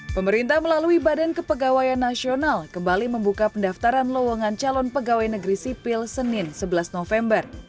pemerintah melalui badan kepegawaian nasional kembali membuka pendaftaran lowongan calon pegawai negeri sipil senin sebelas november